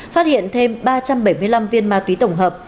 phát hiện thêm ba trăm bảy mươi năm viên ma túy tổng hợp